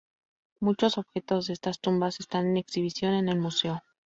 Muchos objetos de estas tumbas están en exhibición en el Museo.